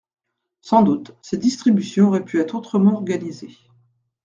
Sans doute, ces distributions auraient pu être autrement organisées.